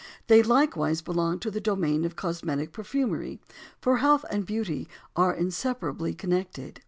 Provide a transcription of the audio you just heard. they likewise belong to the domain of cosmetic perfumery; for health and beauty are inseparably connected.